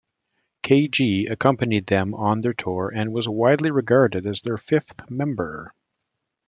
K-Gee accompanied them on their tour and was widely regarded as their fifth member.